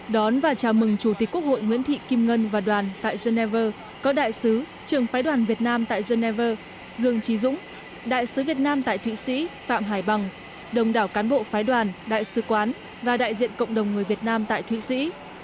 đón và chào mừng chủ tịch quốc hội nguyễn thị kim ngân và đoàn tại geneva có đại sứ trường phái đoàn việt nam tại geneva dương trí dũng đại sứ việt nam tại thụy sĩ phạm hải bằng đồng đảo cán bộ phái đoàn đại sứ quán và đại diện cộng đồng người việt nam tại thụy sĩ